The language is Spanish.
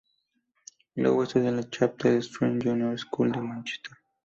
Lowe estudió en la Chapel Street Junior School de Mánchester.